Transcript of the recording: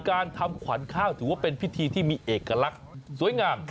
การทำขวัญข้าวถือว่าเป็นพิธีที่มีเอกลักษณ์สวยงาม